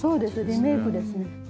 リメイクです。